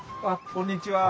こんにちは。